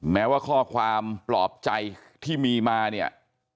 แม้ว่าข้อความปลอบใจที่มีมาเนี่ย